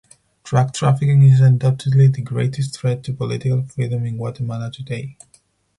Drug trafficking is undoubtedly the greatest threat to political freedom in Guatemala today.